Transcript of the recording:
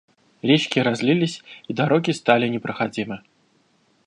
Речки разлились, и дороги стали непроходимы.